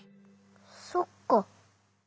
そっか。